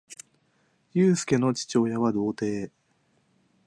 ゆうすけの父親は童貞